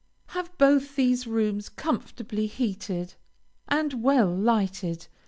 Have both these rooms comfortably heated, and well lighted.